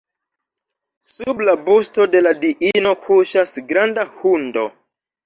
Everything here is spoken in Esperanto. Sub la busto de la diino kuŝas granda hundo.